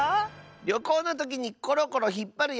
りょこうのときにコロコロひっぱるやつ！